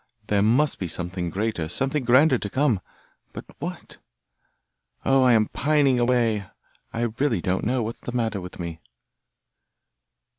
There must be something greater, something grander to come but what? Oh! I am pining away! I really don't know what's the matter with me!